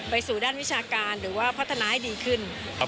สู่ด้านวิชาการหรือว่าพัฒนาให้ดีขึ้น